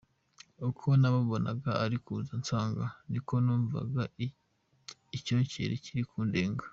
Uko namubonaga ari kuza ansanga, niko numvaga icyokere kiri kundenga.